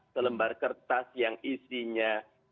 selembar kertas yang isinya